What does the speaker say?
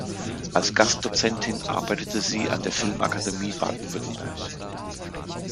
Als Gastdozentin arbeitete sie an der Filmakademie Baden-Württemberg.